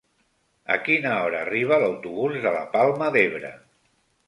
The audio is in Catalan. A quina hora arriba l'autobús de la Palma d'Ebre?